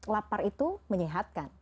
lapar itu menyehatkan